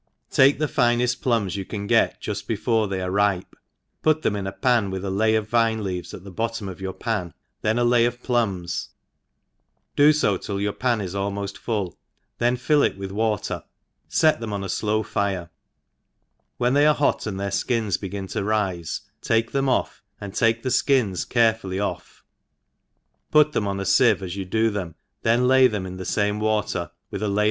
TAKE the fineft plums you can get juft be fore they are ripe, put them in a pan with a lay of vine leaves at tne bottom of your pan, then a lay of plums, do fo till your pan is almoft full, then fill it with water, fet thcm|Dn a flow firci ^ feNGLlSH rtotfSE.KEEF^ER. at life 1^ when they are hot, and their ikins begin to rifcj tsfec them ofF, and take the fkins carefulJy off, put them on a fievc as you do them, then lay them in the fame water, with a lay.